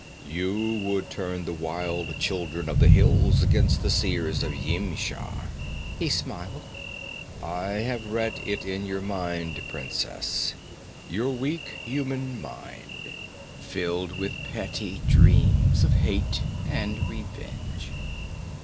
'You would turn the wild children of the hills against the Seers of Yimsha!' He smiled. 'I have read it in your mind, princess. Your weak, human mind, filled with petty dreams of hate and revenge.'